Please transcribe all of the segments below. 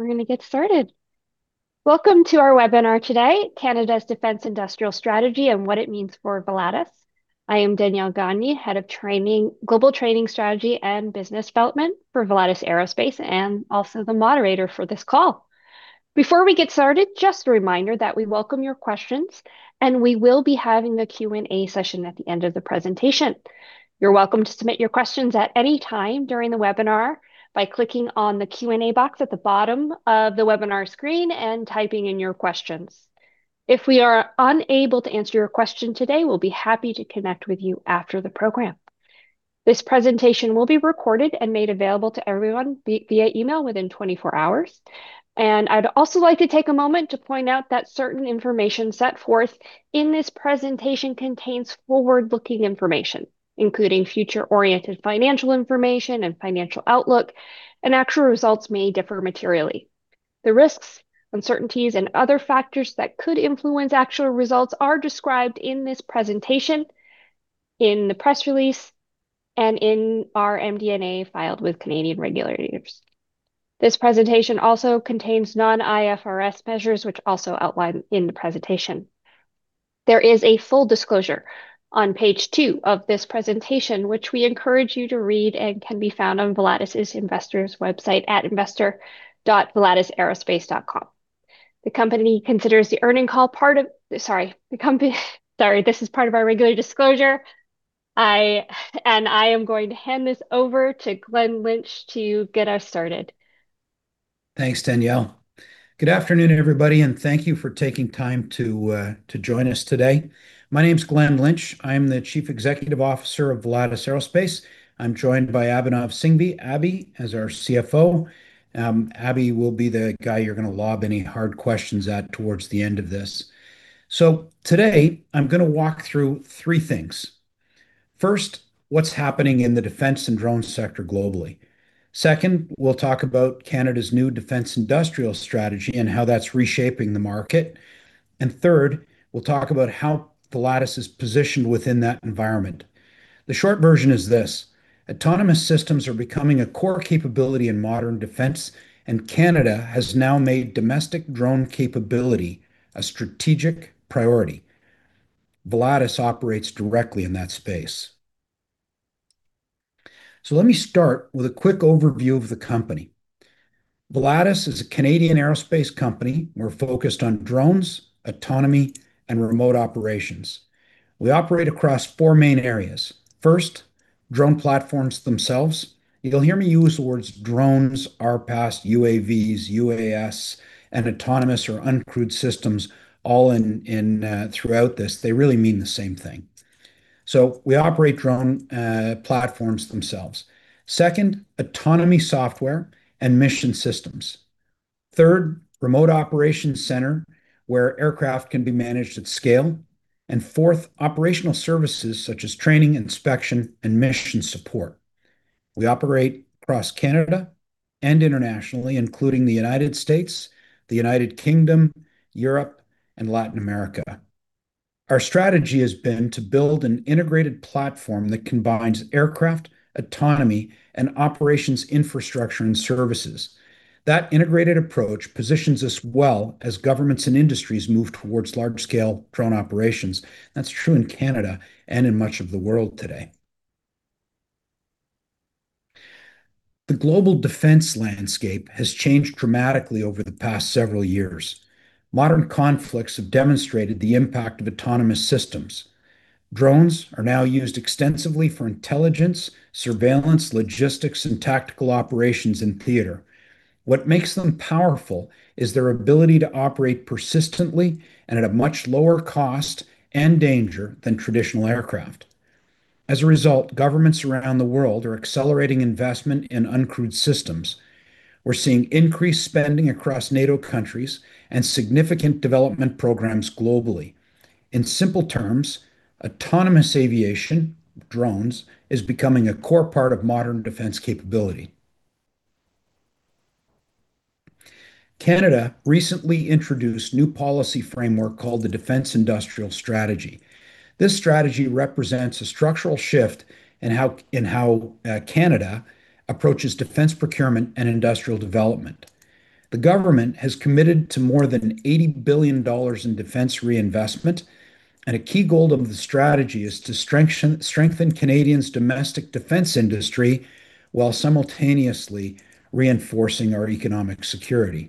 All right, we're gonna get started. Welcome to our webinar today, Canada's Defence Industrial Strategy and What it Means for Volatus. I am Danielle Gagne, Head of Global Training Strategy and Business Development for Volatus Aerospace, and also the moderator for this call. Before we get started, just a reminder that we welcome your questions, and we will be having a Q&A session at the end of the presentation. You're welcome to submit your questions at any time during the webinar by clicking on the Q&A box at the bottom of the webinar screen and typing in your questions. If we are unable to answer your question today, we'll be happy to connect with you after the program. This presentation will be recorded and made available to everyone via email within 24 hours. I'd also like to take a moment to point out that certain information set forth in this presentation contains forward-looking information, including future-oriented financial information and financial outlook, and actual results may differ materially. The risks, uncertainties, and other factors that could influence actual results are described in this presentation, in the press release, and in our MD&A filed with Canadian regulators. This presentation also contains non-IFRS measures, which also outlined in the presentation. There is a full disclosure on page two of this presentation, which we encourage you to read and can be found on Volatus' investors website at investor.volatusaerospace.com. The company considers the earnings call part of... Sorry, the company, sorry, this is part of our regular disclosure. And I am going to hand this over to Glen Lynch to get us started. Thanks, Danielle. Good afternoon, everybody, and thank you for taking time to join us today. My name's Glen Lynch. I am the Chief Executive Officer of Volatus Aerospace. I'm joined by Abhinav Singhvi, Abhi, as our CFO. Abhi will be the guy you're gonna lob any hard questions at towards the end of this. Today, I'm gonna walk through three things. First, what's happening in the defence and drone sector globally? Second, we'll talk about Canada's new Defence Industrial Strategy and how that's reshaping the market. Third, we'll talk about how Volatus is positioned within that environment. The short version is this: autonomous systems are becoming a core capability in modern defence, and Canada has now made domestic drone capability a strategic priority. Volatus operates directly in that space. Let me start with a quick overview of the company. Volatus is a Canadian aerospace company. We're focused on drones, autonomy, and remote operations. We operate across four main areas. First, drone platforms themselves. You'll hear me use the words drones, RPAS, UAVs, UAS, and autonomous or uncrewed systems all in, in throughout this, they really mean the same thing. We operate drone platforms themselves. Second, autonomy software and mission systems. Third, remote operations center, where aircraft can be managed at scale. Fourth, operational services, such as training, inspection, and mission support. We operate across Canada and internationally, including the United States, the United Kingdom, Europe, and Latin America. Our strategy has been to build an integrated platform that combines aircraft, autonomy, and operations infrastructure and services. That integrated approach positions us well as governments and industries move towards large-scale drone operations. That's true in Canada and in much of the world today. The global defence landscape has changed dramatically over the past several years. Modern conflicts have demonstrated the impact of autonomous systems. Drones are now used extensively for intelligence, surveillance, logistics, and tactical operations in theater. What makes them powerful is their ability to operate persistently and at a much lower cost and danger than traditional aircraft. As a result, governments around the world are accelerating investment in uncrewed systems. We're seeing increased spending across NATO countries and significant development programs globally. In simple terms, autonomous aviation, drones, is becoming a core part of modern defence capability. Canada recently introduced new policy framework called the Defence Industrial Strategy. This strategy represents a structural shift in how, in how, Canada approaches defence procurement and industrial development. The government has committed to more than 80 billion dollars in defence reinvestment, and a key goal of the strategy is to strengthen Canadians' domestic defence industry, while simultaneously reinforcing our economic security.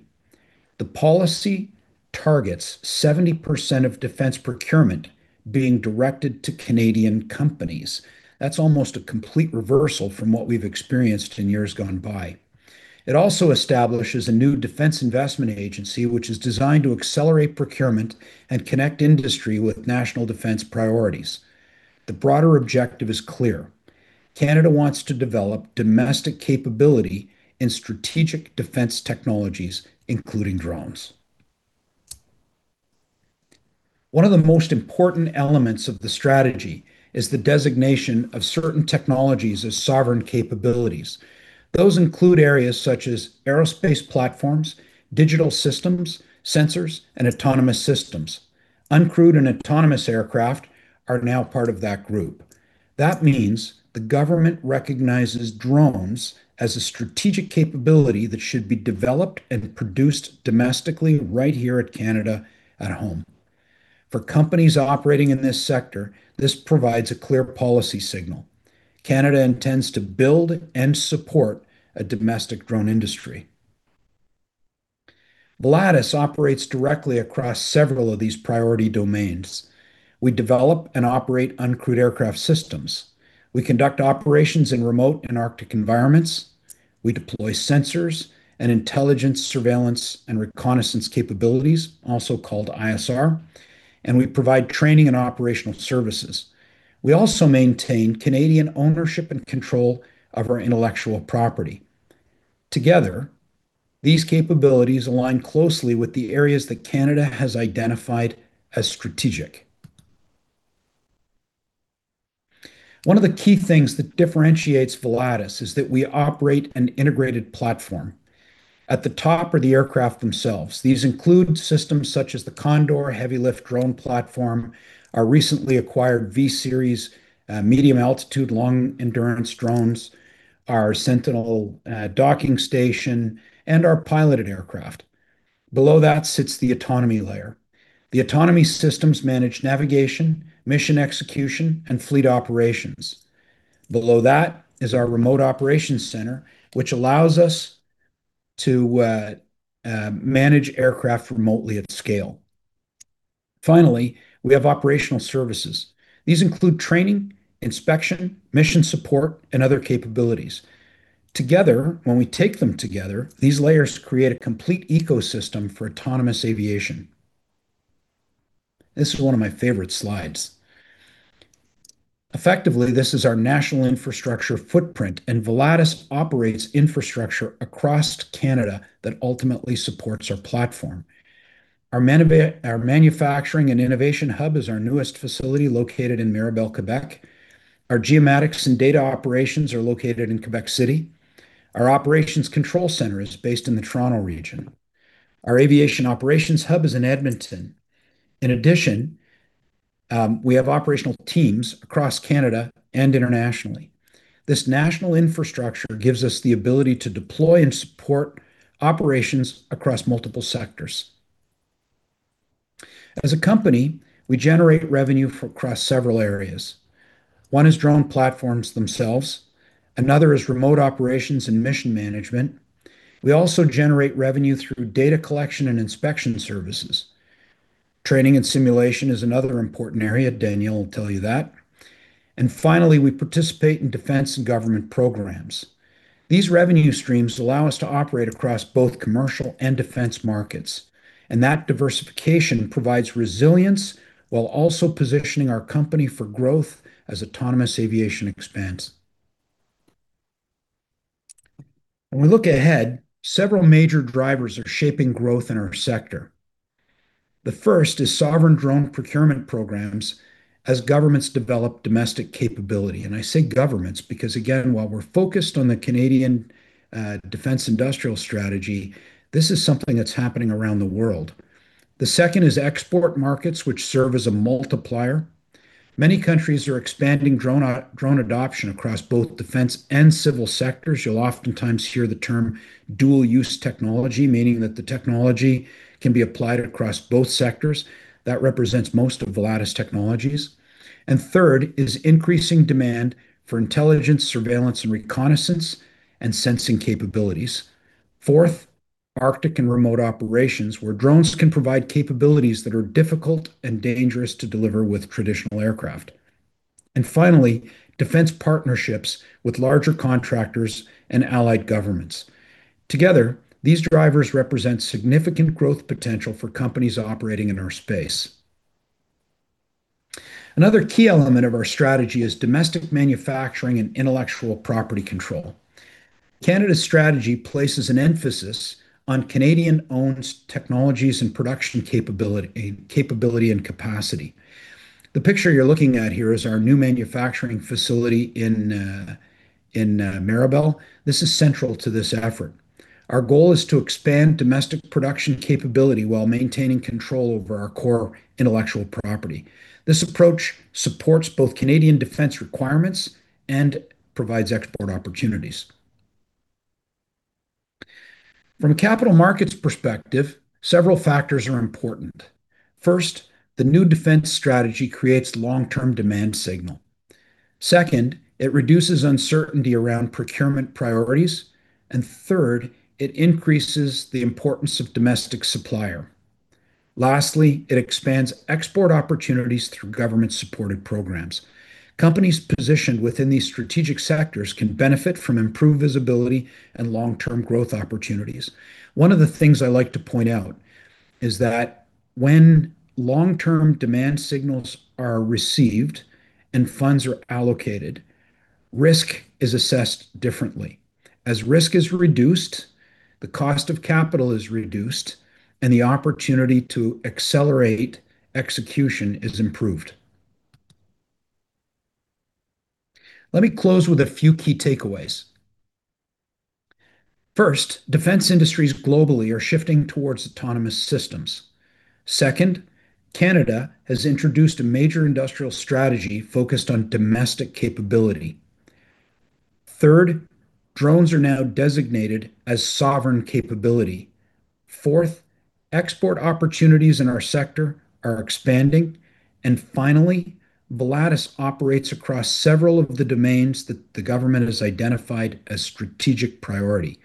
The policy targets 70% of defence procurement being directed to Canadian companies. That's almost a complete reversal from what we've experienced in years gone by. It also establishes a new Defence Investment Agency, which is designed to accelerate procurement and connect industry with national defence priorities. The broader objective is clear: Canada wants to develop domestic capability in strategic defence technologies, including drones. One of the most important elements of the strategy is the designation of certain technologies as sovereign capabilities. Those include areas such as aerospace platforms, digital systems, sensors, and autonomous systems. Uncrewed and autonomous aircraft are now part of that group. That means the government recognizes drones as a strategic capability that should be developed and produced domestically right here at Canada at home. For companies operating in this sector, this provides a clear policy signal. Canada intends to build and support a domestic drone industry. Volatus operates directly across several of these priority domains. We develop and operate uncrewed aircraft systems. We conduct operations in remote and Arctic environments, we deploy sensors and intelligence, surveillance, and reconnaissance capabilities, also called ISR, and we provide training and operational services. We also maintain Canadian ownership and control of our intellectual property. Together, these capabilities align closely with the areas that Canada has identified as strategic. One of the key things that differentiates Volatus is that we operate an integrated platform. At the top are the aircraft themselves. These include systems such as the Condor heavy-lift drone platform, our recently acquired V-Series medium altitude, long endurance drones, our Sentinel docking station, and our piloted aircraft. Below that sits the autonomy layer. The autonomy systems manage navigation, mission execution, and fleet operations. Below that is our remote operations center, which allows us to manage aircraft remotely at scale. Finally, we have operational services. These include training, inspection, mission support, and other capabilities. Together, when we take them together, these layers create a complete ecosystem for autonomous aviation. This is one of my favorite slides. Effectively, this is our national infrastructure footprint. Volatus operates infrastructure across Canada that ultimately supports our platform. Our manufacturing and innovation hub is our newest facility, located in Mirabel, Quebec. Our geomatics and data operations are located in Quebec City. Our operations control center is based in the Toronto region. Our aviation operations hub is in Edmonton. In addition, we have operational teams across Canada and internationally. This national infrastructure gives us the ability to deploy and support operations across multiple sectors. As a company, we generate revenue from across several areas. One is drone platforms themselves, another is remote operations and mission management. We also generate revenue through data collection and inspection services. Training and simulation is another important area, Daniel will tell you that. Finally, we participate in defence and government programs. These revenue streams allow us to operate across both commercial and defence markets. That diversification provides resilience, while also positioning our company for growth as autonomous aviation expands. When we look ahead, several major drivers are shaping growth in our sector. The first is sovereign drone procurement programs as governments develop domestic capability. I say governments, because, again, while we're focused on the Canadian Defence Industrial Strategy, this is something that's happening around the world. The second is export markets, which serve as a multiplier. Many countries are expanding drone adoption across both defence and civil sectors. You'll oftentimes hear the term dual-use technology, meaning that the technology can be applied across both sectors. That represents most of Volatus technologies. Third is increasing demand for intelligence, surveillance, and reconnaissance, and sensing capabilities. Fourth, Arctic and remote operations, where drones can provide capabilities that are difficult and dangerous to deliver with traditional aircraft. Finally, defence partnerships with larger contractors and allied governments. Together, these drivers represent significant growth potential for companies operating in our space. Another key element of our strategy is domestic manufacturing and intellectual property control. Canada's strategy places an emphasis on Canadian-owned technologies and production capability, capability and capacity. The picture you're looking at here is our new manufacturing facility in Mirabel. This is central to this effort. Our goal is to expand domestic production capability while maintaining control over our core intellectual property. This approach supports both Canadian defence requirements and provides export opportunities. From a capital markets perspective, several factors are important. First, the new defence strategy creates long-term demand signal. Second, it reduces uncertainty around procurement priorities. Third, it increases the importance of domestic supplier. Lastly, it expands export opportunities through government-supported programs. Companies positioned within these strategic sectors can benefit from improved visibility and long-term growth opportunities. One of the things I like to point out is that when long-term demand signals are received and funds are allocated, risk is assessed differently. As risk is reduced, the cost of capital is reduced, and the opportunity to accelerate execution is improved. Let me close with a few key takeaways. First, defence industries globally are shifting towards autonomous systems. Second, Canada has introduced a major industrial strategy focused on domestic capability. Third, drones are now designated as sovereign capability. Fourth, export opportunities in our sector are expanding. Finally, Volatus operates across several of the domains that the government has identified as strategic priority.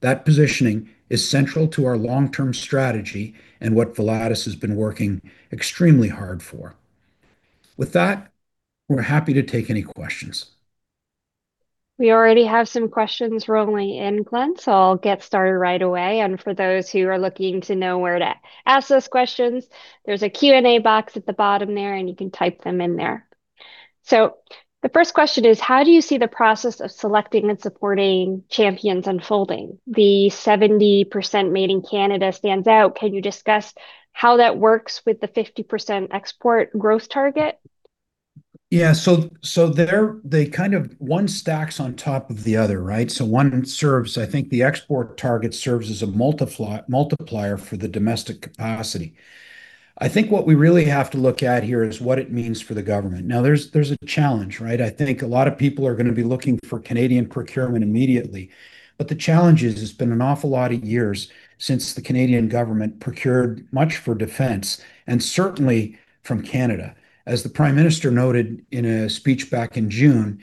That positioning is central to our long-term strategy and what Volatus has been working extremely hard for. With that, we're happy to take any questions. We already have some questions rolling in, Glen, so I'll get started right away. For those who are looking to know where to ask those questions, there's a Q&A box at the bottom there, and you can type them in there. The first question is, how do you see the process of selecting and supporting champions unfolding? The 70% made in Canada stands out. Can you discuss how that works with the 50% export growth target? They kind of. One stacks on top of the other, right? One serves, I think the export target serves as a multiplier for the domestic capacity. I think what we really have to look at here is what it means for the government. There's, there's a challenge, right? I think a lot of people are gonna be looking for Canadian procurement immediately, but the challenge is, it's been an awful lot of years since the Canadian government procured much for defence, and certainly from Canada. As the Prime Minister noted in a speech back in June,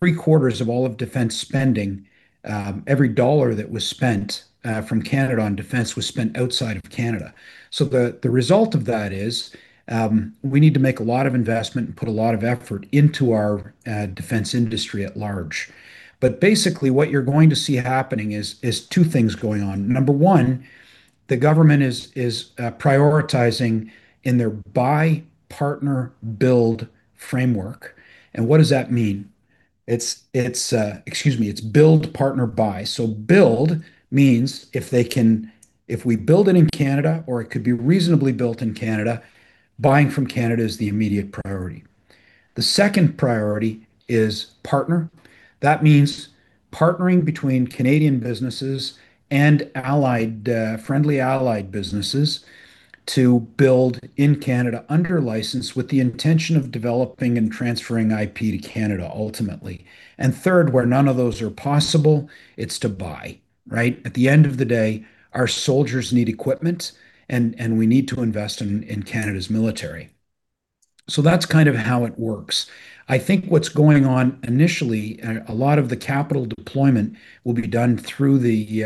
three-quarters of all of defence spending, every dollar that was spent, from Canada on defence was spent outside of Canada. The, the result of that is, we need to make a lot of investment and put a lot of effort into our defence industry at large. But basically, what you're going to see happening is, is two things going on. Number one, the government is, is prioritizing in their buy, partner, build framework. And what does that mean? It's, it's excuse me, it's build, partner, buy. Build means if we build it in Canada or it could be reasonably built in Canada, buying from Canada is the immediate priority. The second priority is partner. That means partnering between Canadian businesses and allied friendly allied businesses to build in Canada under license, with the intention of developing and transferring IP to Canada ultimately. And third, where none of those are possible, it's to buy, right? At the end of the day, our soldiers need equipment, and, and we need to invest in, in Canada's military. That's kind of how it works. I think what's going on initially, a lot of the capital deployment will be done through the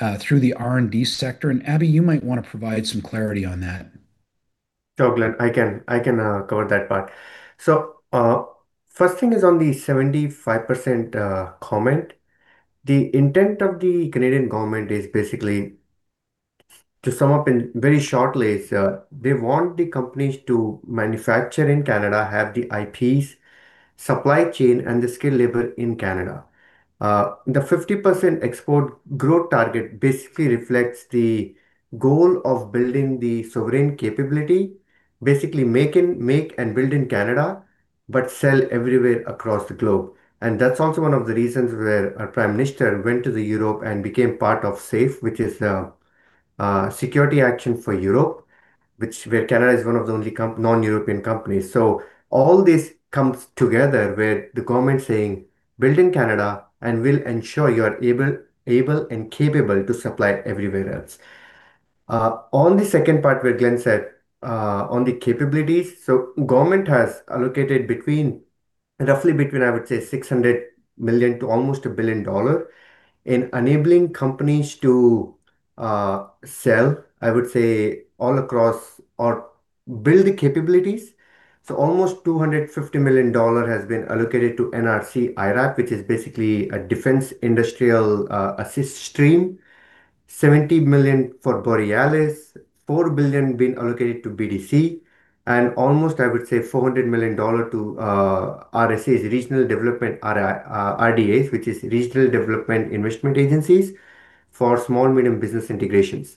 R&D sector, and, Abhi, you might want to provide some clarity on that? Sure, Glen, I can, I can cover that part. First thing is on the 75% comment. The intent of the Canadian government is basically, to sum up in very shortly, they want the companies to manufacture in Canada, have the IPs, supply chain, and the skilled labor in Canada. The 50% export growth target basically reflects the goal of building the sovereign capability, basically making, make and build in Canada, but sell everywhere across the globe. That's also one of the reasons where our Prime Minister went to Europe and became part of SAFE, which is a Security Action for Europe, where Canada is one of the only non-European companies. All this comes together where the government saying, "Build in Canada, and we'll ensure you are able, able and capable to supply everywhere else." On the second part, where Glen said, on the capabilities, government has allocated between, roughly between, I would say, 600 million to almost 1 billion dollar in enabling companies to sell, I would say, all across or build the capabilities. Almost 250 million dollar has been allocated to NRC IRAP, which is basically a defence industrial assist stream. 70 million for Borealis, 4 billion been allocated to BDC, and almost, I would say, 400 million dollars to RDAs, Regional Development, RDAs, which is Regional Development Investment Agencies for small and medium business integrations.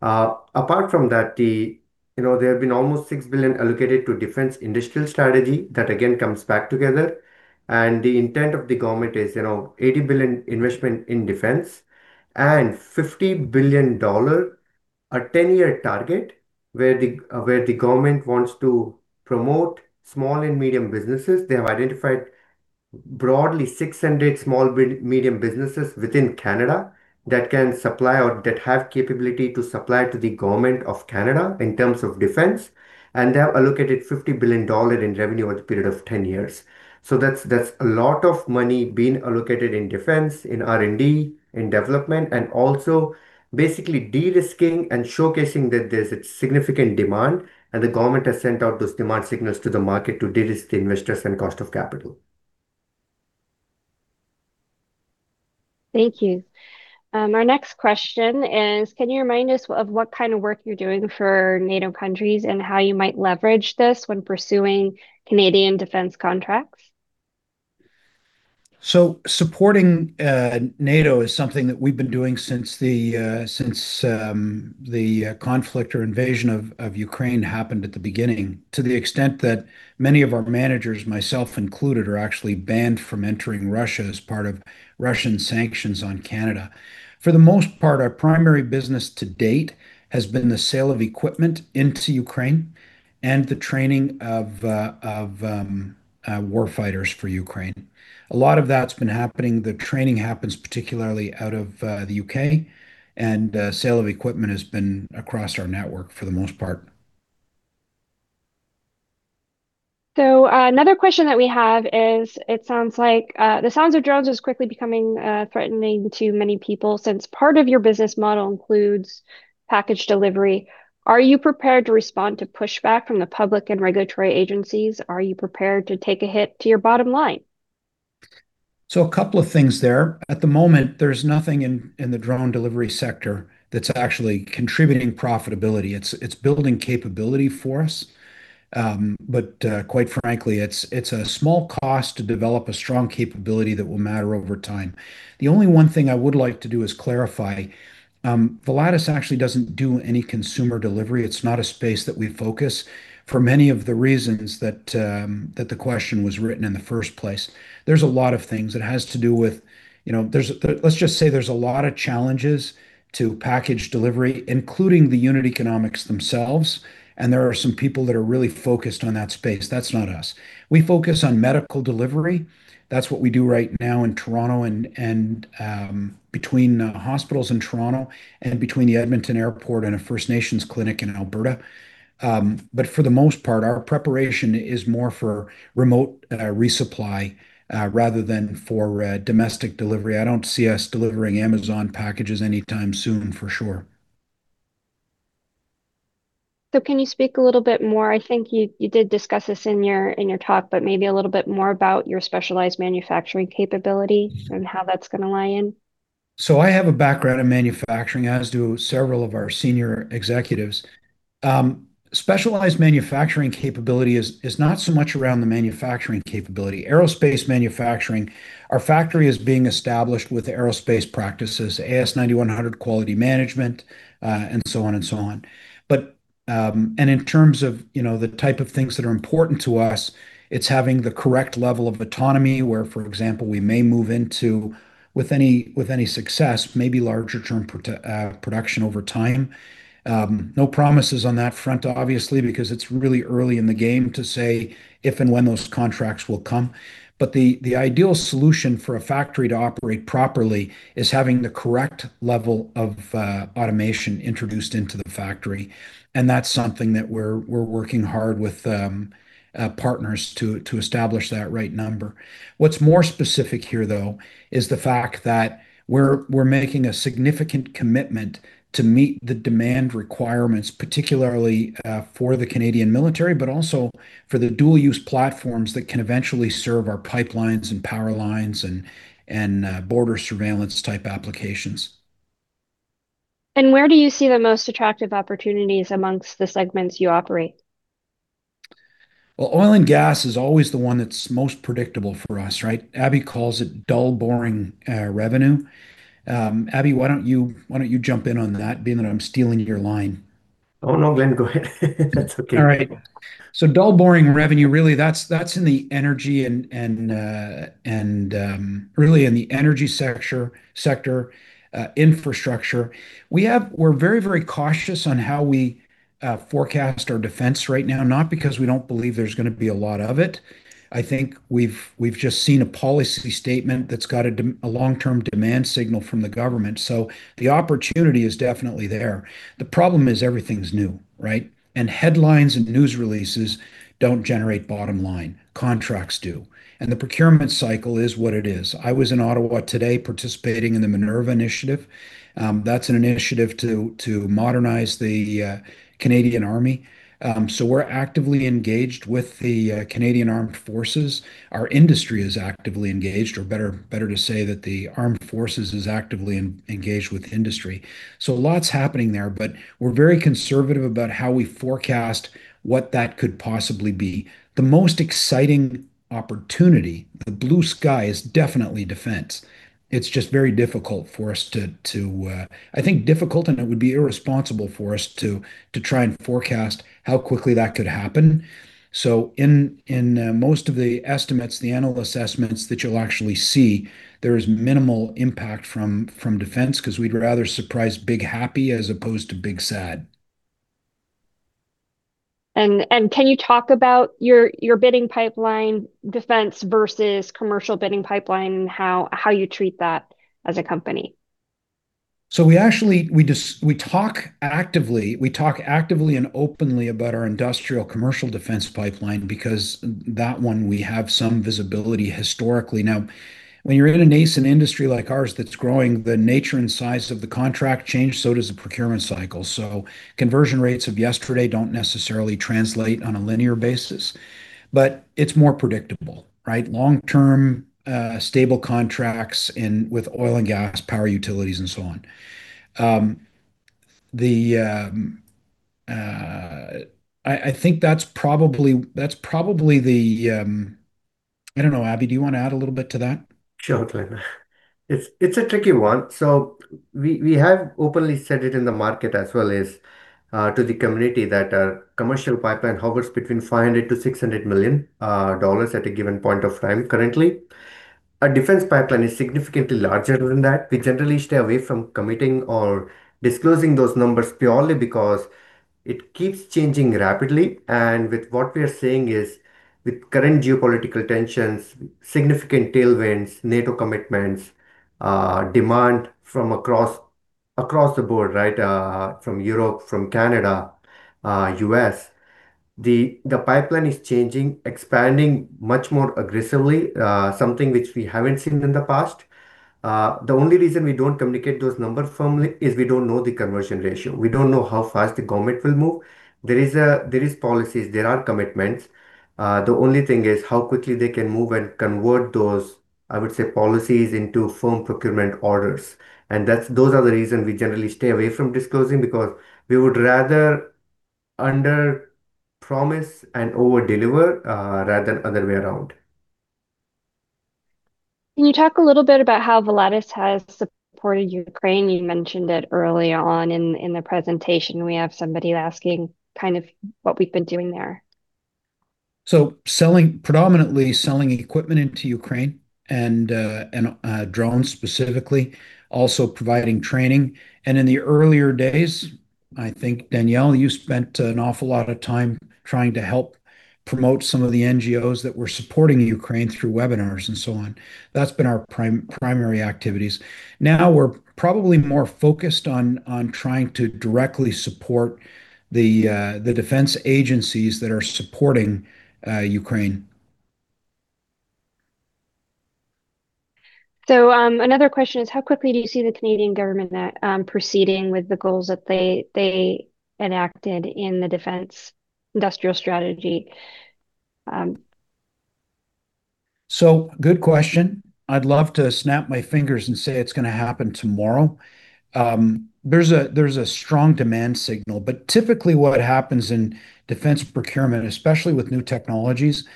Apart from that, the, you know, there have been almost 6 billion allocated to Defence Industrial Strategy. That again comes back together. The intent of the government is, you know, 80 billion investment in defence and 50 billion dollar, a 10-year target, where the government wants to promote small and medium businesses. They have identified broadly 600 small medium businesses within Canada that can supply or that have capability to supply to the government of Canada in terms of defence, and they have allocated 50 billion dollars in revenue over the period of 10 years. That's, that's a lot of money being allocated in defence, in R&D, in development, and also basically de-risking and showcasing that there's a significant demand, and the government has sent out those demand signals to the market to de-risk the investors and cost of capital. Thank you. Our next question is, can you remind us of what kind of work you're doing for NATO countries and how you might leverage this when pursuing Canadian defence contracts? Supporting NATO is something that we've been doing since the conflict or invasion of Ukraine happened at the beginning, to the extent that many of our managers, myself included, are actually banned from entering Russia as part of Russian sanctions on Canada. For the most part, our primary business to date has been the sale of equipment into Ukraine and the training of war fighters for Ukraine. A lot of that's been happening. The training happens particularly out of the U.K., and sale of equipment has been across our network for the most part. Another question that we have is, it sounds like the sounds of drones is quickly becoming threatening to many people. Since part of your business model includes package delivery, are you prepared to respond to pushback from the public and regulatory agencies? Are you prepared to take a hit to your bottom line? A couple of things there. At the moment, there's nothing in, in the drone delivery sector that's actually contributing profitability. It's, it's building capability for us, but, quite frankly, it's, it's a small cost to develop a strong capability that will matter over time. The only one thing I would like to do is clarify, Volatus actually doesn't do any consumer delivery. It's not a space that we focus for many of the reasons that the question was written in the first place. There's a lot of things. It has to do with, you know, there's the, let's just say there's a lot of challenges to package delivery, including the unit economics themselves, and there are some people that are really focused on that space. That's not us. We focus on medical delivery. That's what we do right now in Toronto and, and, between hospitals in Toronto, and between the Edmonton Airport and a First Nations clinic in Alberta. For the most part, our preparation is more for remote resupply, rather than for domestic delivery. I don't see us delivering Amazon packages anytime soon, for sure. Can you speak a little bit more, I think you, you did discuss this in your, in your talk, but maybe a little bit more about your specialized manufacturing capability and how that's gonna lie in. I have a background in manufacturing, as do several of our senior executives. Specialized manufacturing capability is, is not so much around the manufacturing capability. Aerospace manufacturing, our factory is being established with aerospace practices, AS9100 quality management, and so on and so on. And in terms of, you know, the type of things that are important to us, it's having the correct level of autonomy, where, for example, we may move into, with any, with any success, maybe larger term production over time. No promises on that front, obviously, because it's really early in the game to say if and when those contracts will come. The, the ideal solution for a factory to operate properly is having the correct level of automation introduced into the factory, and that's something that we're, we're working hard with partners to establish that right number. What's more specific here, though, is the fact that we're, we're making a significant commitment to meet the demand requirements, particularly for the Canadian military, but also for the dual-use platforms that can eventually serve our pipelines, and power lines, and, and border surveillance type applications. Where do you see the most attractive opportunities amongst the segments you operate? Well, oil and gas is always the one that's most predictable for us, right? Abhi calls it dull, boring, revenue. Abhi, why don't you, why don't you jump in on that, being that I'm stealing your line? Oh, no, Glen, go ahead. That's okay. All right. Dull, boring revenue, really, that's, that's in the energy and, and, really in the energy sector, sector, infrastructure. We're very, very cautious on how we forecast our defence right now, not because we don't believe there's gonna be a lot of it. I think we've, we've just seen a policy statement that's got a long-term demand signal from the government, so the opportunity is definitely there. The problem is everything's new, right? Headlines and news releases don't generate bottom line, contracts do, and the procurement cycle is what it is. I was in Ottawa today, participating in the MINERVA initiative. That's an initiative to, to modernize the Canadian Army. We're actively engaged with the Canadian Armed Forces. Our industry is actively engaged, or better, better to say that the Armed Forces is actively engaged with industry. A lot's happening there, but we're very conservative about how we forecast what that could possibly be. The most exciting opportunity, the blue sky, is definitely Defence. It's just very difficult for us to, to, I think difficult, and it would be irresponsible for us to, to try and forecast how quickly that could happen. In, in, most of the estimates, the annual assessments that you'll actually see, there is minimal impact from, from Defence, 'cause we'd rather surprise big happy as opposed to big sad. Can you talk about your, your bidding pipeline, defence versus commercial bidding pipeline, and how, how you treat that as a company? We just, we talk actively, we talk actively and openly about our industrial commercial defence pipeline because that one, we have some visibility historically. Now, when you're in a nascent industry like ours that's growing, the nature and size of the contract change, so does the procurement cycle. Conversion rates of yesterday don't necessarily translate on a linear basis, but it's more predictable, right? Long-term, stable contracts in, with oil and gas, power utilities, and so on. The, I, I think that's probably, that's probably the, I don't know. Abhi, do you wanna add a little bit to that? Sure, Glen. It's, it's a tricky one. We, we have openly said it in the market as well as to the community, that our commercial pipeline hovers between $500 million-$600 million at a given point of time currently. Our defence pipeline is significantly larger than that. With what we are seeing is, with current geopolitical tensions, significant tailwinds, NATO commitments, demand from across, across the board, right? From Europe, from Canada, U.S., the pipeline is changing, expanding much more aggressively, something which we haven't seen in the past. The only reason we don't communicate those numbers firmly is we don't know the conversion ratio. We don't know how fast the government will move. There is policies, there are commitments. The only thing is how quickly they can move and convert those, I would say, policies into firm procurement orders. Those are the reason we generally stay away from disclosing, because we would rather underpromise and overdeliver, rather than other way around. Can you talk a little bit about how Volatus has supported Ukraine? You mentioned it early on in the presentation. We have somebody asking kind of what we've been doing there. Selling-- predominantly selling equipment into Ukraine, and drones specifically, also providing training. In the earlier days, I think, Danielle, you spent an awful lot of time trying to help promote some of the NGOs that were supporting Ukraine through webinars and so on. That's been our prim- primary activities. We're probably more focused on, on trying to directly support the defence agencies that are supporting Ukraine. Another question is, how quickly do you see the Canadian government, proceeding with the goals that they, they enacted in the Defence Industrial Strategy? Good question. I'd love to snap my fingers and say it's gonna happen tomorrow. There's a, there's a strong demand signal, typically what happens in defence procurement, especially with new technologies,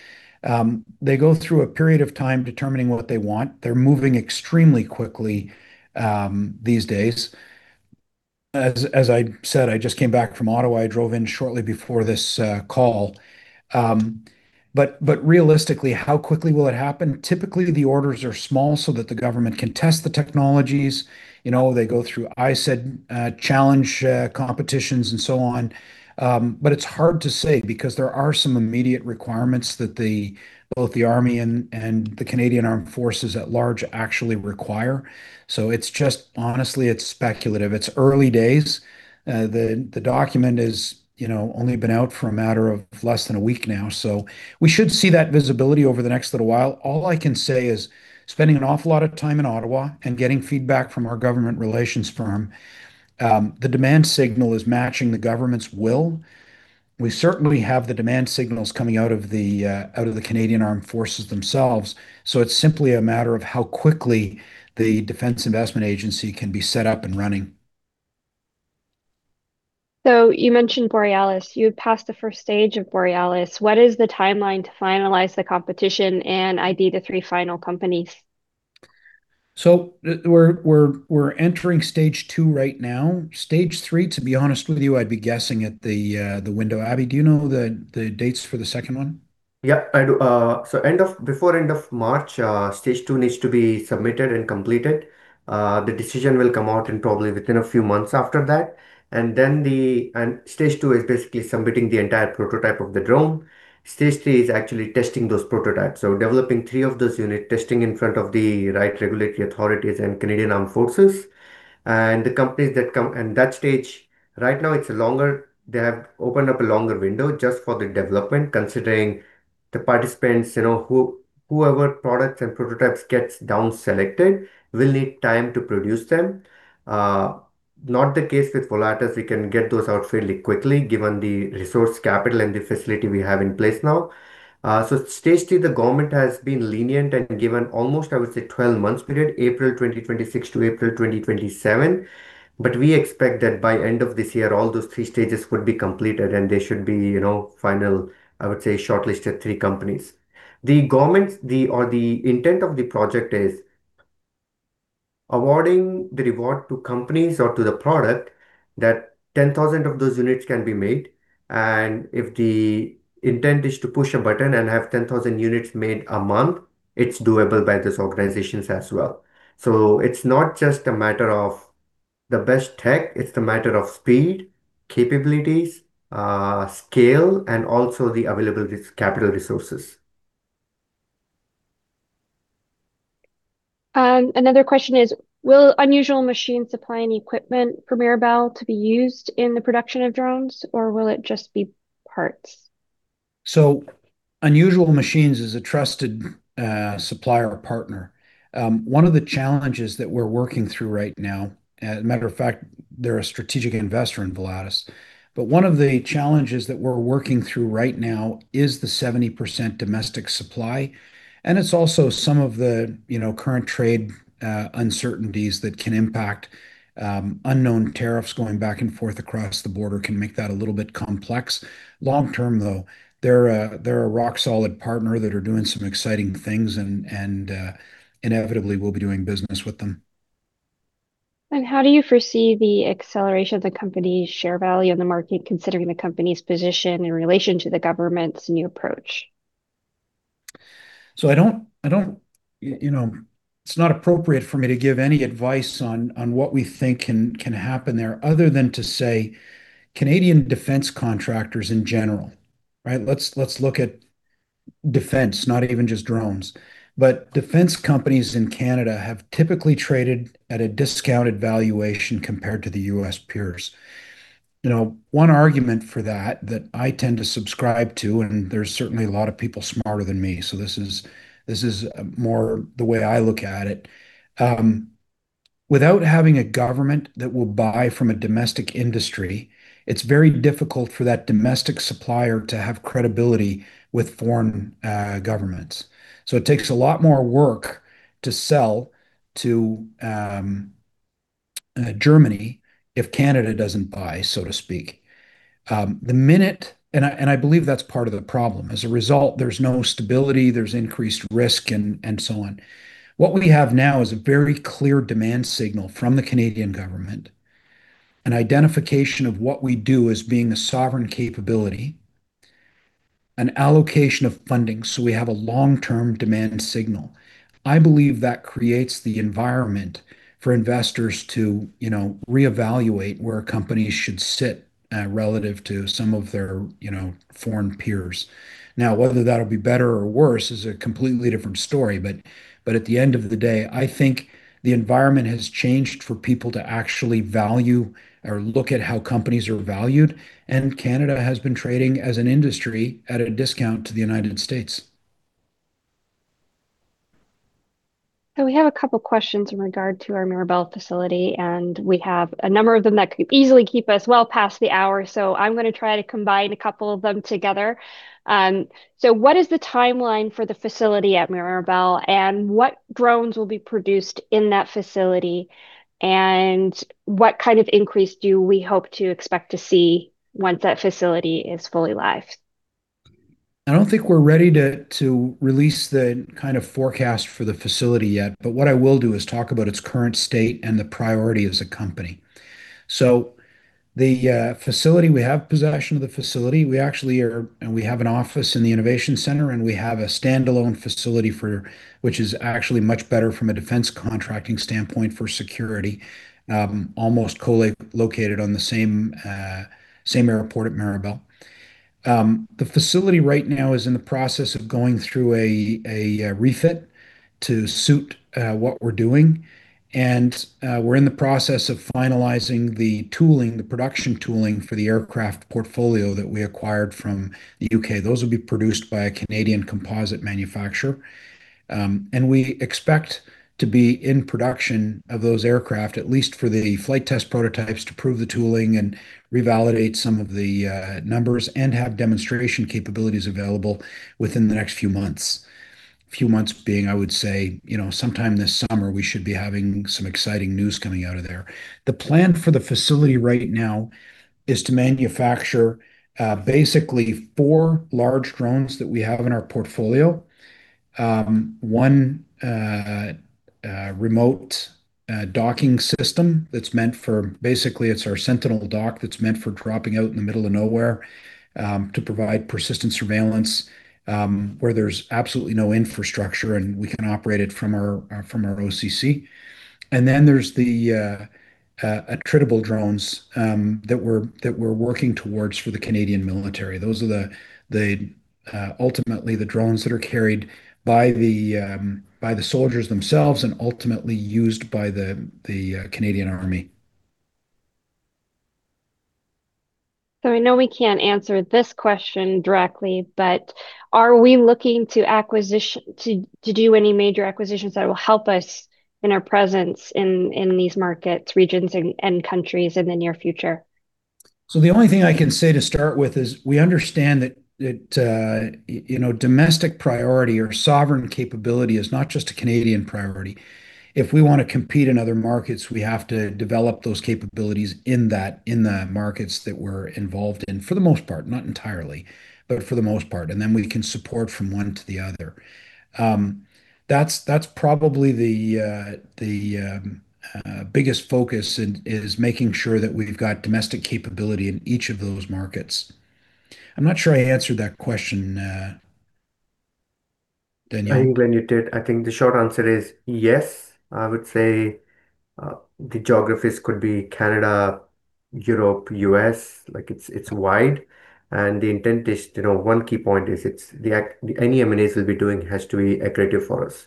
they go through a period of time determining what they want. They're moving extremely quickly these days. As, as I said, I just came back from Ottawa. I drove in shortly before this call. Realistically, how quickly will it happen? Typically, the orders are small so that the government can test the technologies. You know, they go through ISED challenge competitions and so on. It's hard to say because there are some immediate requirements that the, both the Canadian Army and, and the Canadian Armed Forces at large actually require. It's just honestly, it's speculative. It's early days. The, the document is, you know, only been out for a matter of less than a week now. We should see that visibility over the next little while. All I can say is, spending an awful lot of time in Ottawa and getting feedback from our government relations firm, the demand signal is matching the government's will. We certainly have the demand signals coming out of the out of the Canadian Armed Forces themselves, so it's simply a matter of how quickly the Defence Investment Agency can be set up and running. You mentioned Borealis. You had passed the first stage of Borealis. What is the timeline to finalize the competition and ID the three final companies? We're, we're, we're entering Stage 2 right now. Stage 3, to be honest with you, I'd be guessing at the window. Abhi, do you know the dates for the second one? Yeah, I do. So end of, before end of March, Stage 2 needs to be submitted and completed. The decision will come out in probably within a few months after that. Stage 2 is basically submitting the entire prototype of the drone. Stage 3 is actually testing those prototypes. So developing three of those unit, testing in front of the right regulatory authorities and Canadian Armed Forces. That stage, right now, it's a longer, they have opened up a longer window just for the development, considering the participants, you know, whoever products and prototypes gets down selected will need time to produce them. Not the case with Volatus. We can get those out fairly quickly, given the resource, capital, and the facility we have in place now. Stage 3, the government has been lenient and given almost, I would say, 12 months period, April 2026 to April 2027. We expect that by end of this year, all those three stages would be completed, and they should be, you know, final, I would say, shortlisted three companies. The government, the, or the intent of the project is awarding the reward to companies or to the product that 10,000 of those units can be made. If the intent is to push a button and have 10,000 units made a month, it's doable by these organizations as well. It's not just a matter of the best tech, it's the matter of speed, capabilities, scale, and also the availability of capital resources. Another question is: Will Unusual Machines supply any equipment for Mirabel to be used in the production of drones, or will it just be parts? Unusual Machines is a trusted supplier partner. One of the challenges that we're working through right now, as a matter of fact, they're a strategic investor in Volatus. One of the challenges that we're working through right now is the 70% domestic supply, and it's also some of the, you know, current trade uncertainties that can impact unknown tariffs going back and forth across the border can make that a little bit complex. Long term, though, they're a, they're a rock-solid partner that are doing some exciting things, and, and inevitably we'll be doing business with them. How do you foresee the acceleration of the company's share value in the market, considering the company's position in relation to the government's new approach? I don't, I don't, you know, it's not appropriate for me to give any advice on, on what we think can, can happen there, other than to say Canadian defence contractors in general, right? Let's, let's look at defence, not even just drones. Defense companies in Canada have typically traded at a discounted valuation compared to the U.S. peers. You know, one argument for that, that I tend to subscribe to, and there's certainly a lot of people smarter than me, so this is, this is, more the way I look at it. Without having a government that will buy from a domestic industry, it's very difficult for that domestic supplier to have credibility with foreign governments. It takes a lot more work to sell to Germany if Canada doesn't buy, so to speak. The minute-- and I believe that's part of the problem. As a result, there's no stability, there's increased risk, and so on. What we have now is a very clear demand signal from the Canadian government, an identification of what we do as being a sovereign capability, an allocation of funding. We have a long-term demand signal. I believe that creates the environment for investors to, you know, re-evaluate where a company should sit relative to some of their, you know, foreign peers. Whether that'll be better or worse is a completely different story, but at the end of the day, I think the environment has changed for people to actually value or look at how companies are valued, and Canada has been trading as an industry at a discount to the United States. We have a couple questions in regard to our Mirabel facility, and we have a number of them that could easily keep us well past the hour. I'm gonna try to combine a couple of them together. What is the timeline for the facility at Mirabel, and what drones will be produced in that facility? What kind of increase do we hope to expect to see once that facility is fully live? I don't think we're ready to, to release the kind of forecast for the facility yet. What I will do is talk about its current state and the priority as a company. The facility, we have possession of the facility. We actually are and we have an office in the innovation center, and we have a standalone facility for... which is actually much better from a defence contracting standpoint for security, almost located on the same airport at Mirabel. The facility right now is in the process of going through a refit to suit what we're doing. We're in the process of finalizing the tooling, the production tooling for the aircraft portfolio that we acquired from the U.K. Those will be produced by a Canadian composite manufacturer. We expect to be in production of those aircraft, at least for the flight test prototypes, to prove the tooling and revalidate some of the numbers, and have demonstration capabilities available within the next few months. Few months being, I would say, you know, sometime this summer, we should be having some exciting news coming out of there. The plan for the facility right now is to manufacture basically four large drones that we have in our portfolio. One remote docking system that's meant for... basically, it's our Sentinel Dock that's meant for dropping out in the middle of nowhere, to provide persistent surveillance where there's absolutely no infrastructure, and we can operate it from our OCC. Then there's the attritable drones that we're working towards for the Canadian military. Those are the, the, ultimately the drones that are carried by the, by the soldiers themselves and ultimately used by the, the, Canadian Army. I know we can't answer this question directly, but are we looking to do any major acquisitions that will help us in our presence in, in these markets, regions, and, and countries in the near future? The only thing I can say to start with is, we understand that, that, you know, domestic priority or sovereign capability is not just a Canadian priority. If we want to compete in other markets, we have to develop those capabilities in the markets that we're involved in, for the most part, not entirely, but for the most part, and then we can support from one to the other. That's, that's probably the biggest focus, is, is making sure that we've got domestic capability in each of those markets. I'm not sure I answered that question, Danielle? I think, Glen, you did. I think the short answer is yes. I would say, the geographies could be Canada, Europe, U.S. Like, it's, it's wide, and the intent is, you know, one key point is it's any M&A we'll be doing has to be accretive for us.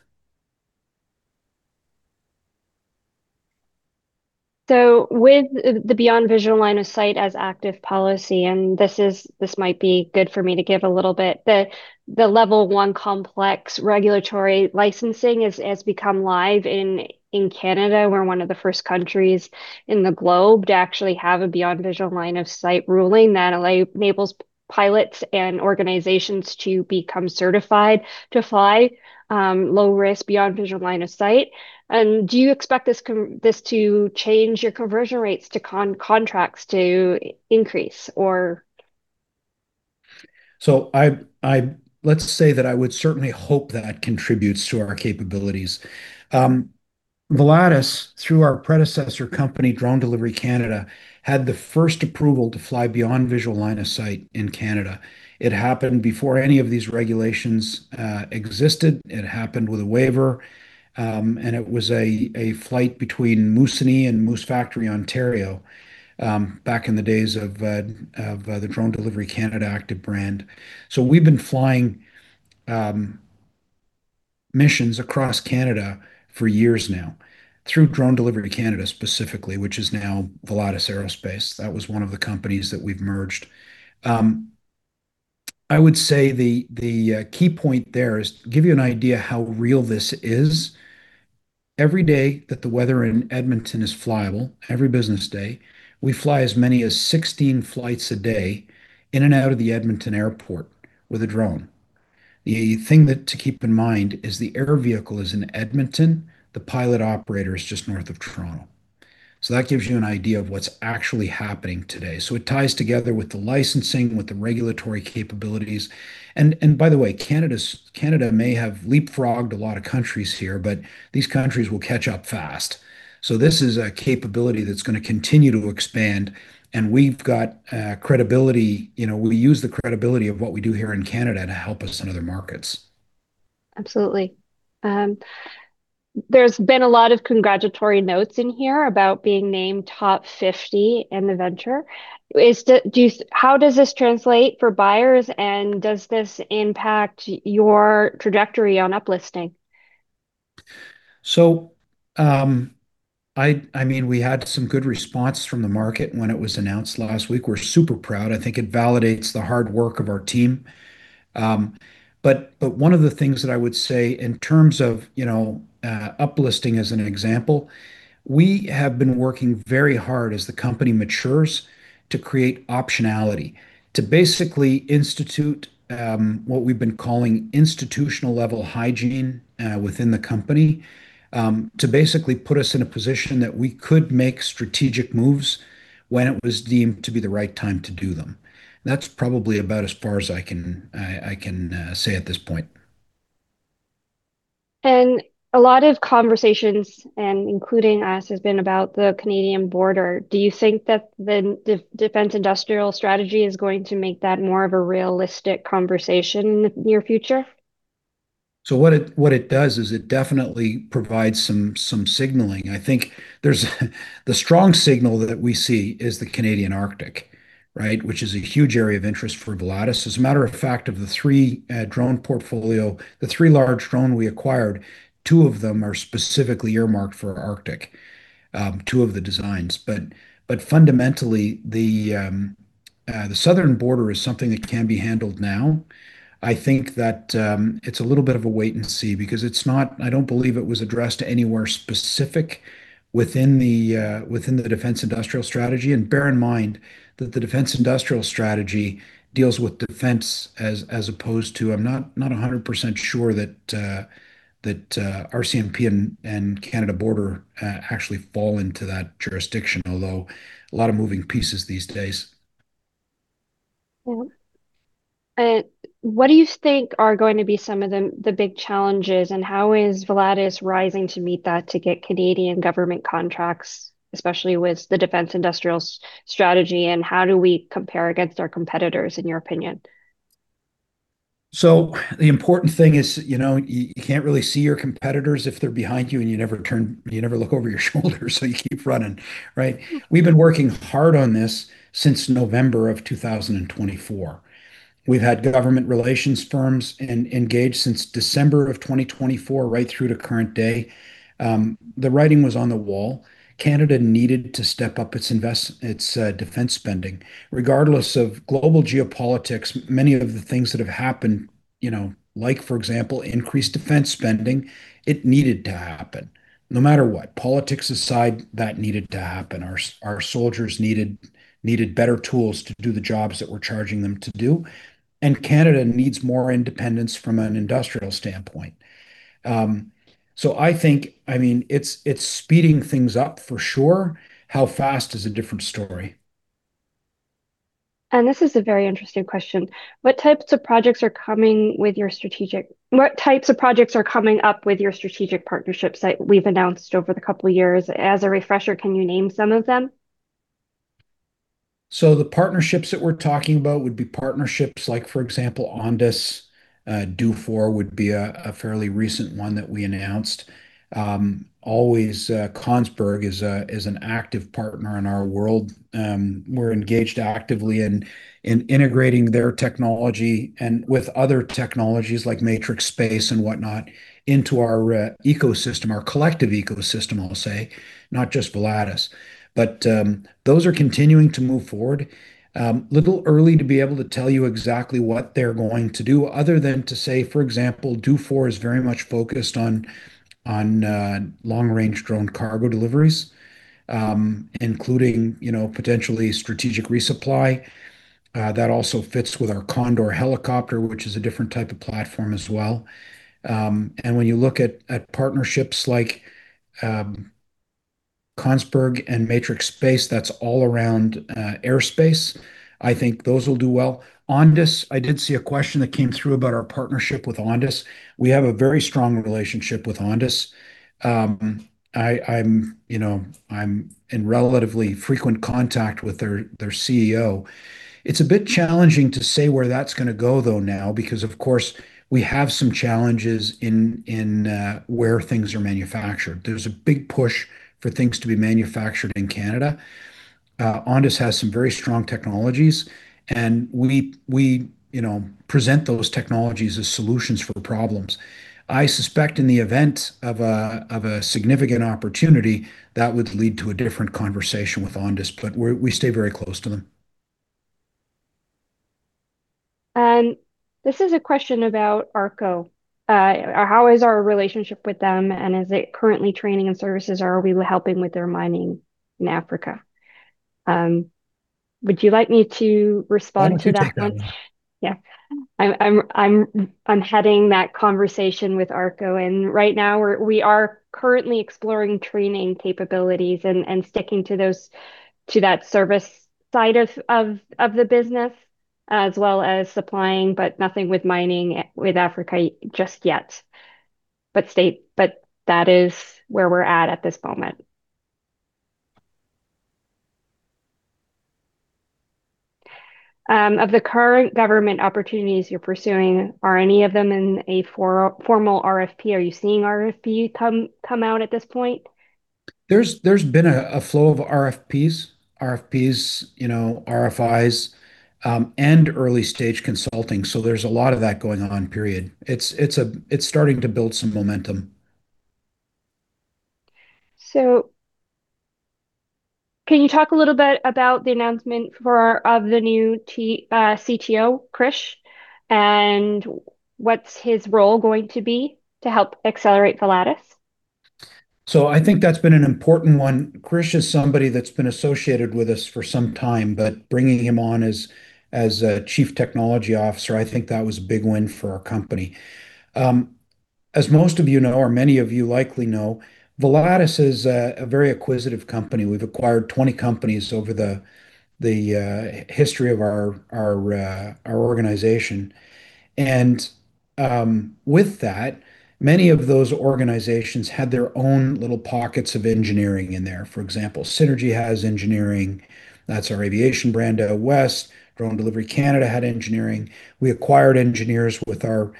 With the Beyond Visual Line of Sight as active policy, this might be good for me to give a little bit. The Level 1 complex regulatory licensing has become live in Canada. We're one of the first countries in the globe to actually have a Beyond Visual Line of Sight ruling that enables pilots and organizations to become certified to fly, low risk Beyond Visual Line of Sight. Do you expect this to change your conversion rates to contracts to increase or? I, I let's say that I would certainly hope that contributes to our capabilities. Volatus, through our predecessor company, Drone Delivery Canada, had the first approval to fly Beyond Visual Line of Sight in Canada. It happened before any of these regulations existed. It happened with a waiver, and it was a, a flight between Moosonee and Moose Factory, Ontario, back in the days of the Drone Delivery Canada active brand. We've been flying missions across Canada for years now, through Drone Delivery Canada specifically, which is now Volatus Aerospace. That was one of the companies that we've merged. I would say the key point there is, to give you an idea how real this is, every day that the weather in Edmonton is flyable, every business day, we fly as many as 16 flights a day in and out of the Edmonton Airport with a drone. The thing that to keep in mind is the air vehicle is in Edmonton, the pilot operator is just north of Toronto. That gives you an idea of what's actually happening today. It ties together with the licensing, with the regulatory capabilities. By the way, Canada's Canada may have leapfrogged a lot of countries here, but these countries will catch up fast. This is a capability that's gonna continue to expand, and we've got credibility. You know, we use the credibility of what we do here in Canada to help us in other markets. Absolutely. There's been a lot of congratulatory notes in here about being named top 50 in the Venture. How does this translate for buyers, and does this impact your trajectory on uplisting? I, I mean, we had some good response from the market when it was announced last week. We're super proud. I think it validates the hard work of our team. One of the things that I would say in terms of, you know, uplisting as an example, we have been working very hard as the company matures to create optionality, to basically institute, what we've been calling institutional-level hygiene, within the company. To basically put us in a position that we could make strategic moves when it was deemed to be the right time to do them. That's probably about as far as I can, I, I can, say at this point. A lot of conversations, and including us, has been about the Canadian border. Do you think that the Defence Industrial Strategy is going to make that more of a realistic conversation in the near future? What it, what it does is it definitely provides some, some signaling. I think the strong signal that we see is the Canadian Arctic, right? Which is a huge area of interest for Volatus. As a matter of fact, of the three drone portfolio, the three large drone we acquired, two of them are specifically earmarked for Arctic, two of the designs. Fundamentally, the southern border is something that can be handled now. I think that it's a little bit of a wait and see, because it's not-- I don't believe it was addressed anywhere specific within the Defence Industrial Strategy. Bear in mind that the Defence Industrial Strategy deals with defence as, as opposed to... I'm not, not 100% sure that, that RCMP and, and Canada border, actually fall into that jurisdiction, although a lot of moving pieces these days. Well, what do you think are going to be some of the, the big challenges, and how is Volatus rising to meet that to get Canadian government contracts, especially with the Defence Industrial Strategy, and how do we compare against our competitors, in your opinion? The important thing is, you know, you, you can't really see your competitors if they're behind you and you never look over your shoulder, so you keep running, right? We've been working hard on this since November of 2024. We've had government relations firms engaged since December of 2024, right through to current day. The writing was on the wall. Canada needed to step up its defence spending. Regardless of global geopolitics, many of the things that have happened, you know, like for example, increased defence spending, it needed to happen. No matter what, politics aside, that needed to happen. Our soldiers needed, needed better tools to do the jobs that we're charging them to do, and Canada needs more independence from an industrial standpoint. I think, I mean, it's, it's speeding things up for sure. How fast is a different story. This is a very interesting question: What types of projects are coming with your strategic-- What types of projects are coming up with your strategic partnerships that we've announced over the couple of years? As a refresher, can you name some of them? The partnerships that we're talking about would be partnerships like, for example, Ondas, Dufour would be a, a fairly recent one that we announced. Always, Kongsberg is a, is an active partner in our world. We're engaged actively in, in integrating their technology and with other technologies like MatrixSpace and whatnot, into our ecosystem, our collective ecosystem, I'll say, not just Volatus. Those are continuing to move forward. Little early to be able to tell you exactly what they're going to do other than to say, for example, Dufour is very much focused on, on long-range drone cargo deliveries, including, you know, potentially strategic resupply. That also fits with our Condor helicopter, which is a different type of platform as well. When you look at, at partnerships like Kongsberg and MatrixSpace, that's all around airspace. I think those will do well. Ondas, I did see a question that came through about our partnership with Ondas. We have a very strong relationship with Ondas. I'm in relatively frequent contact with their, their CEO. It's a bit challenging to say where that's gonna go though now, because of course, we have some challenges in, in where things are manufactured. There's a big push for things to be manufactured in Canada. Ondas has some very strong technologies, and we, you know, present those technologies as solutions for problems. I suspect in the event of a, of a significant opportunity, that would lead to a different conversation with Ondas, but we're, we stay very close to them. This is a question about ARCO. How is our relationship with them, and is it currently training and services, or are we helping with their mining in Africa? Would you like me to respond to that one? Why don't you take that one? Yeah. I'm heading that conversation with ARCO. Right now, we are currently exploring training capabilities and sticking to those, to that service side of the business, as well as supplying. Nothing with mining with Africa just yet. That is where we're at at this moment. Of the current government opportunities you're pursuing, are any of them in a for- formal RFP? Are you seeing RFP come, come out at this point? There's been a, a flow of RFPs. RFPs, you know, RFIs, and early-stage consulting. There's a lot of that going on, period. It's starting to build some momentum. Can you talk a little bit about the announcement of the new CTO, Krish, and what's his role going to be to help accelerate Volatus? I think that's been an important one. Krish is somebody that's been associated with us for some time, but bringing him on as a Chief Technology Officer, I think that was a big win for our company. As most of you know, or many of you likely know, Volatus is a very acquisitive company. We've acquired 20 companies over the history of our organization. With that, many of those organizations had their own little pockets of engineering in there. For example, Synergy Aviation has engineering. That's our aviation brand. Drone Delivery Canada had engineering. We acquired engineers with our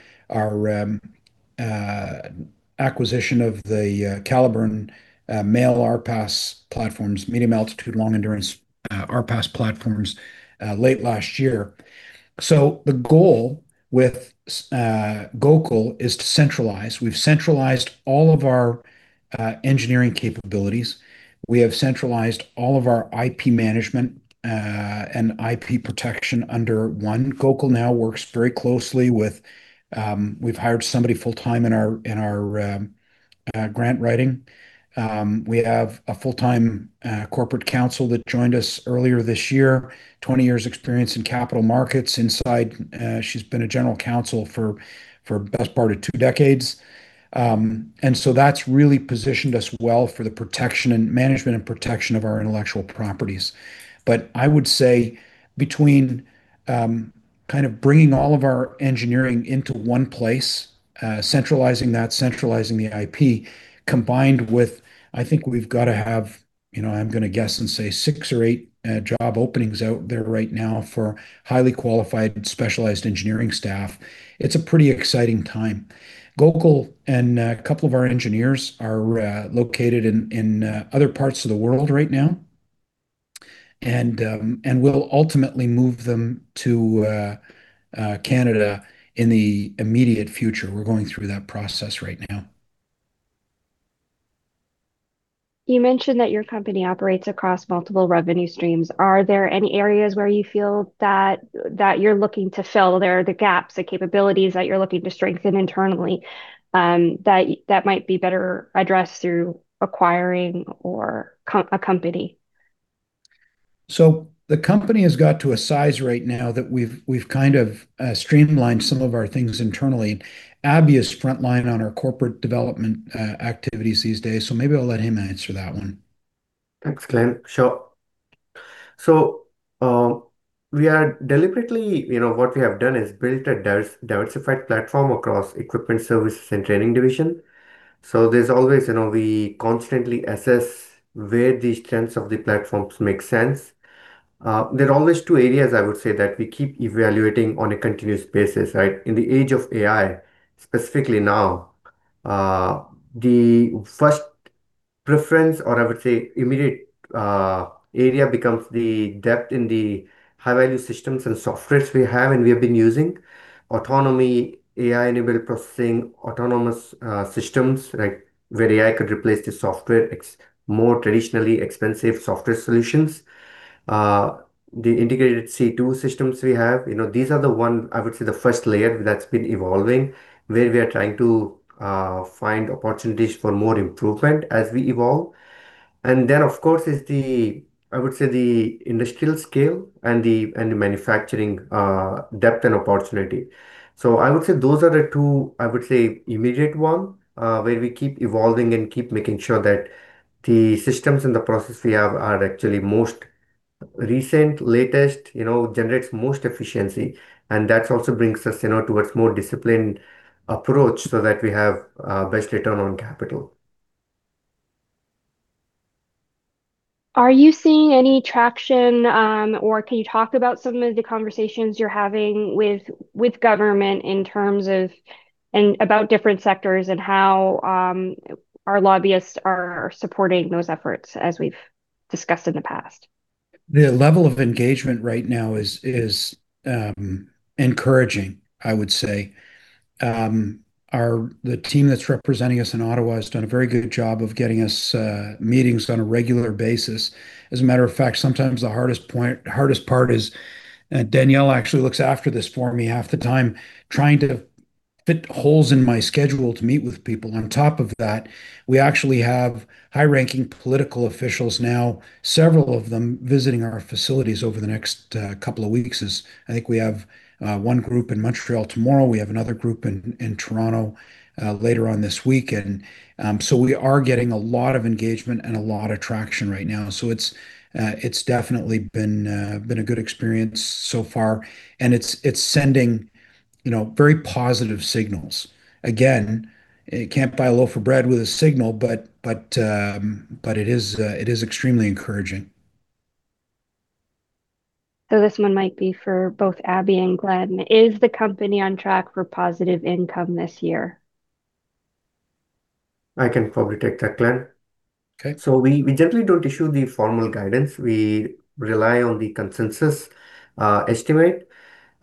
acquisition of the Caliburn MALE RPAS platforms, Medium Altitude Long Endurance RPAS platforms, late last year. The goal with Gokul is to centralize. We've centralized all of our engineering capabilities. We have centralized all of our IP management and IP protection under one. Gokul now works very closely with. We've hired somebody full-time in our, in our grant writing. We have a full-time corporate counsel that joined us earlier this year. 20 years' experience in capital markets inside, she's been a general counsel for, for the best part of two decades. That's really positioned us well for the protection and management and protection of our intellectual properties. I would say between kind of bringing all of our engineering into one place, centralizing that, centralizing the IP, combined with, I think we've got to have, you know, I'm gonna guess, and say six or eight job openings out there right now for highly qualified, specialized engineering staff. It's a pretty exciting time. Gokul and a couple of our engineers are located in, in other parts of the world right now. We'll ultimately move them to Canada in the immediate future. We're going through that process right now. You mentioned that your company operates across multiple revenue streams. Are there any areas where you feel that, that you're looking to fill? There are the gaps, the capabilities that you're looking to strengthen internally, that, that might be better addressed through acquiring or a company. The company has got to a size right now that we've, we've kind of, streamlined some of our things internally. Abhi is frontline on our corporate development, activities these days, so maybe I'll let him answer that one. Thanks, Glen. Sure. We are deliberately, you know, what we have done is built a diversified platform across equipment, services, and training division. There's always, you know, we constantly assess where the strengths of the platforms make sense. There are always two areas I would say that we keep evaluating on a continuous basis, right? In the age of AI, specifically now, the first preference, or I would say immediate, area, becomes the depth in the high-value systems and softwares we have and we have been using. Autonomy, AI-enabled processing, autonomous systems, like where AI could replace the software more traditionally expensive software solutions. The integrated C2 systems we have, you know, these are the one, I would say, the first layer that's been evolving, where we are trying to find opportunities for more improvement as we evolve. Then, of course, is the, I would say, the industrial scale and the, and the manufacturing depth and opportunity. I would say those are the two, I would say, immediate one, where we keep evolving and keep making sure that the systems and the processes we have are actually most recent, latest, you know, generates most efficiency. That also brings us, you know, towards more disciplined approach so that we have best return on capital. Are you seeing any traction, or can you talk about some of the conversations you're having with, with government in terms of, and about different sectors, and how our lobbyists are supporting those efforts, as we've discussed in the past? The level of engagement right now is, is encouraging, I would say. Our-- the team that's representing us in Ottawa has done a very good job of getting us meetings on a regular basis. As a matter of fact, sometimes the hardest point, hardest part is, and Danielle actually looks after this for me half the time, trying to fit holes in my schedule to meet with people. On top of that, we actually have high-ranking political officials now, several of them, visiting our facilities over the next couple of weeks. As I think we have one group in Montreal tomorrow, we have another group in Toronto later on this week. So we are getting a lot of engagement and a lot of traction right now. It's, it's definitely been, been a good experience so far, and it's, it's sending, you know, very positive signals. Again, you can't buy a loaf of bread with a signal, but, but, but it is, it is extremely encouraging. This one might be for both Abhi and Glen. Is the company on track for positive income this year? I can probably take that, Glen. Okay. We, we generally don't issue the formal guidance, we rely on the consensus estimate.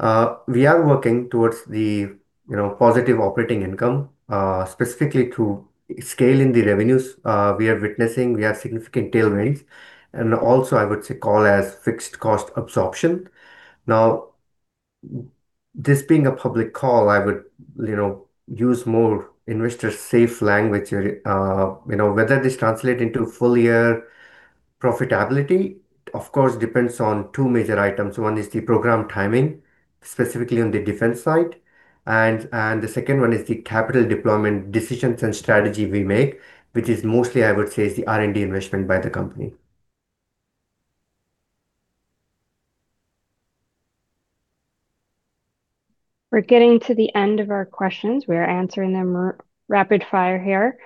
We are working towards the, you know, positive operating income, specifically through scaling the revenues. We are witnessing, we have significant tailwinds, and also, I would say, call as fixed cost absorption. Now, this being a public call, I would, you know, use more investor-safe language. You know, whether this translate into full-year profitability, of course, depends on two major items. One is the program timing, specifically on the defence side, and, and the second one is the capital deployment decisions and strategy we make, which is mostly, I would say, is the R&D investment by the company. We're getting to the end of our questions. We are answering them rapid fire here.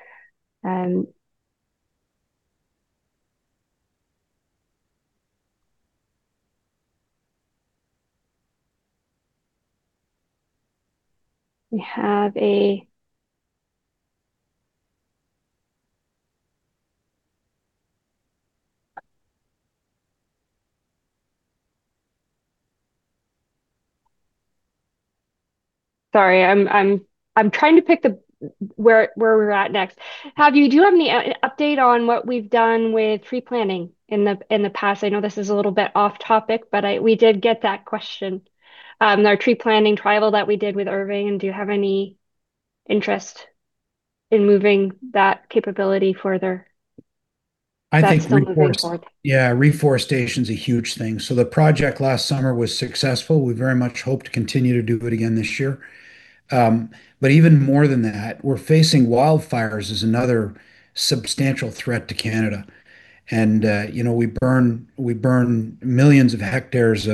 Sorry, I'm, I'm, I'm trying to pick the, where, where we're at next. Do you have any update on what we've done with tree planting in the, in the past? I know this is a little bit off topic, but we did get that question. Our tree planting trial that we did with Irving, and do you have any interest in moving that capability further? I think- Is that still moving forward? Reforestation is a huge thing. The project last summer was successful. We very much hope to continue to do it again this year. Even more than that, we're facing wildfires as another substantial threat to Canada. You know, we burn, we burn millions of hectares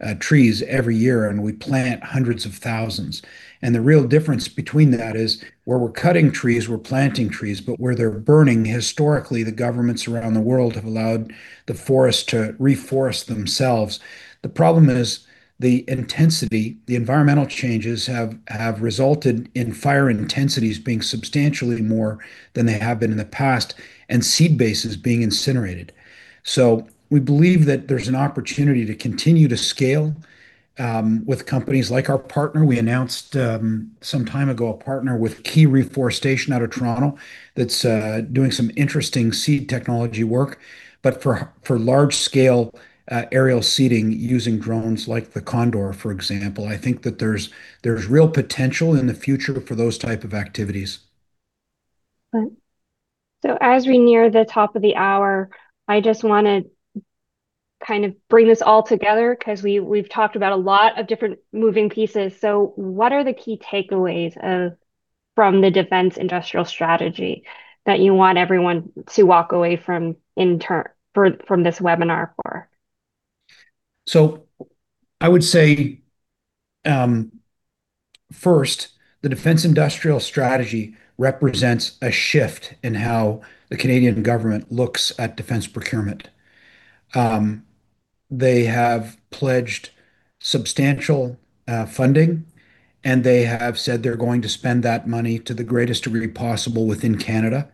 of trees every year, and we plant hundreds of thousands. The real difference between that is, where we're cutting trees, we're planting trees, but where they're burning, historically, the governments around the world have allowed the forest to reforest themselves. The problem is the intensity. The environmental changes have resulted in fire intensities being substantially more than they have been in the past, and seed bases being incinerated. We believe that there's an opportunity to continue to scale with companies like our partner. We announced, some time ago, a partner with Ki Reforestation out of Toronto, that's doing some interesting seed technology work. For, for large-scale, aerial seeding, using drones like the Condor, for example, I think that there's, there's real potential in the future for those type of activities. Right. As we near the top of the hour, I just wanna kind of bring this all together, 'cause we, we've talked about a lot of different moving pieces. What are the key takeaways from the Defence Industrial Strategy that you want everyone to walk away from from this webinar for? I would say, first, the Defence Industrial Strategy represents a shift in how the Canadian government looks at defence procurement. They have pledged substantial funding, and they have said they're going to spend that money to the greatest degree possible within Canada.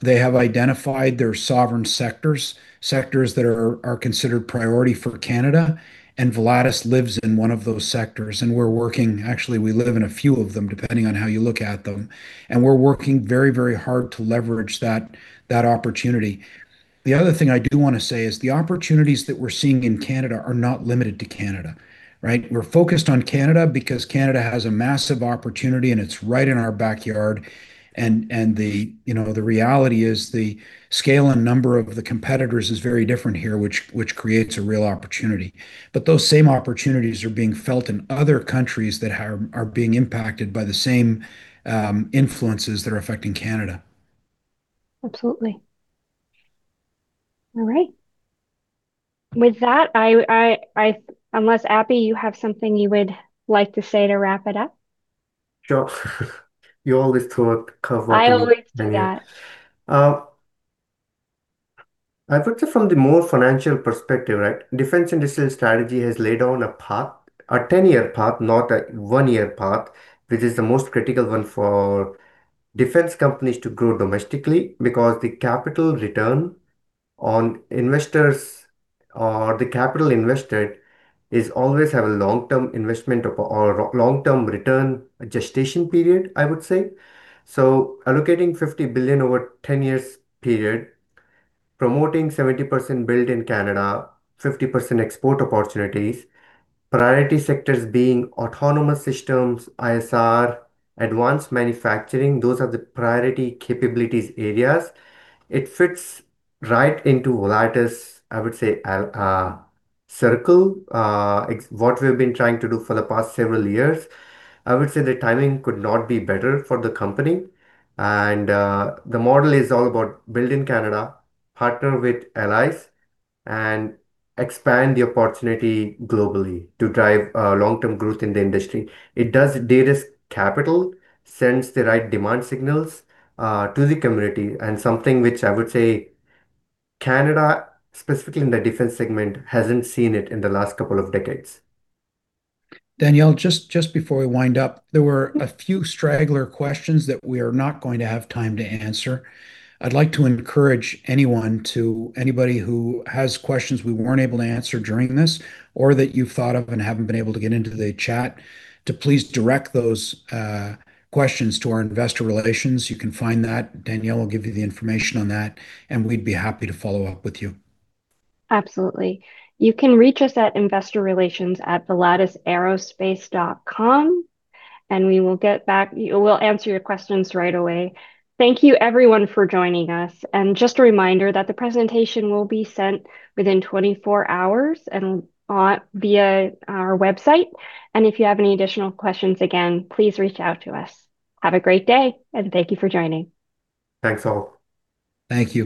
They have identified their sovereign sectors, sectors that are considered priority for Canada, and Volatus lives in one of those sectors, and we're working, actually, we live in a few of them, depending on how you look at them, and we're working very, very hard to leverage that opportunity. The other thing I do wanna say is, the opportunities that we're seeing in Canada are not limited to Canada, right? We're focused on Canada because Canada has a massive opportunity, and it's right in our backyard, and the, you know, the reality is the scale and number of the competitors is very different here, which, which creates a real opportunity. Those same opportunities are being felt in other countries that are, are being impacted by the same influences that are affecting Canada. Absolutely. All right. With that, I, I, I... Unless, Abhi, you have something you would like to say to wrap it up? Sure. You always throw a curveball at me. I always do that. I put it from the more financial perspective, right? Defence Industrial Strategy has laid down a path, a 10-year path, not a one-year path. Which is the most critical one for defence companies to grow domestically, because the capital return on investors or the capital invested is always have a long-term investment of, or a long-term return gestation period, I would say. Allocating 50 billion over 10-year period, promoting 70% built in Canada, 50% export opportunities, priority sectors being autonomous systems, ISR, advanced manufacturing, those are the priority capabilities areas. It fits right into Volatus, I would say, circle, ex- what we've been trying to do for the past several years. I would say the timing could not be better for the company. The model is all about build in Canada, partner with allies, and expand the opportunity globally to drive long-term growth in the industry. It does de-risk capital, sends the right demand signals to the community, and something which I would say Canada, specifically in the defence segment, hasn't seen it in the last couple of decades. Danielle, just, just before we wind up, there were a few straggler questions that we are not going to have time to answer. I'd like to encourage anyone to- anybody who has questions we weren't able to answer during this, or that you've thought of and haven't been able to get into the chat, to please direct those, questions to our investor relations. You can find that. Danielle will give you the information on that, and we'd be happy to follow up with you. Absolutely. You can reach us at investorrelations@volatusaerospace.com, we will get back. We'll answer your questions right away. Thank you everyone for joining us, just a reminder that the presentation will be sent within 24 hours and on, via our website. If you have any additional questions, again, please reach out to us. Have a great day, and thank you for joining. Thanks, all. Thank you.